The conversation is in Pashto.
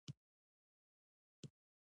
کوم کسان چې مکه نه ده لیدلې.